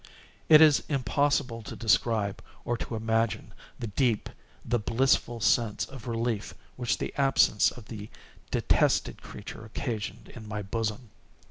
It is impossible to describe, or to imagine, the deep, the blissful sense of relief which the absence of the detested creature occasioned in my bosom.